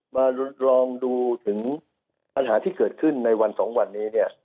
มาลองดูถึงปัญหาที่เกิดขึ้นในวัน๒วันนี้